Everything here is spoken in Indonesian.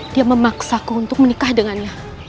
dia memaksaku untuk menikah dengannya